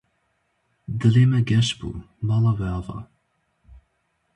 dilê me geş bû mala we ava